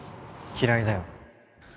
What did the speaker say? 嫌いだよ